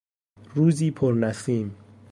روزی پر نسیم